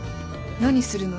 何するの？